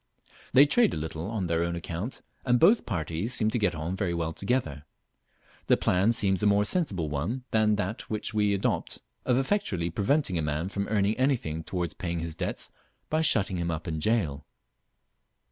They trade a little on their own account, and both parties seem to get on very well together. The plan seems a more sensible one than that which we adopt, of effectually preventing a man from earning anything towards paying his debts by shutting him up in a jail.